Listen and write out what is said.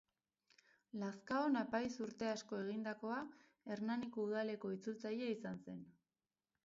Lazkaon apaiz urte asko egindakoa, Hernaniko udaleko itzultzailea izan zen.